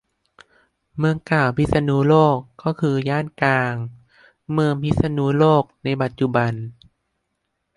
เมืองเก่าพิษณุโลกก็คือย่านกลางเมืองพิษณุโลกในปัจจุบัน